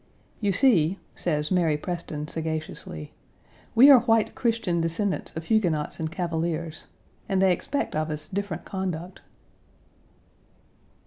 "You see," says Mary Preston sagaciously, "we are white Christian descendants of Huguenots and Cavaliers, and they expect of us different conduct."